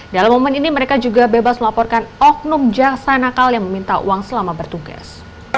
dalam momen ini mereka juga bebas melaporkan oknum jaksa nakal yang meminta uang selama bertugas